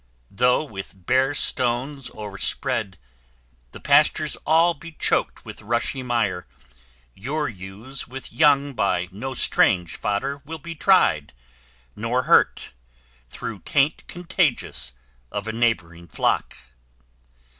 Though, with bare stones o'erspread, the pastures all Be choked with rushy mire, your ewes with young By no strange fodder will be tried, nor hurt Through taint contagious of a neighbouring flock.